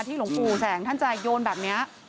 หลวงปู่แสงท่านจะโยนแบบนี้